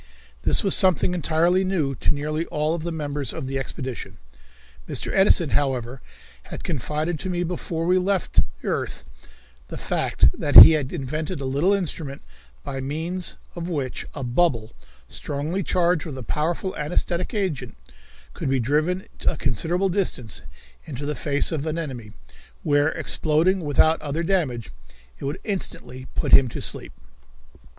This was something entirely new to nearly all the members of the expedition. Mr. Edison, however, had confided to me before we left the earth the fact that he had invented a little instrument by means of which a bubble, strongly charged with a powerful anaesthetic agent, could be driven to a considerable distance into the face of an enemy, where, exploding without other damage, it would instantly put him to sleep.